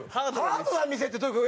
ハードな店ってどういう事？